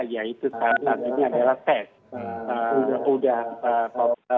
ya itu saat ini adalah tes